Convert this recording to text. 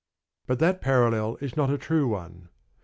But that parallel is not a true one.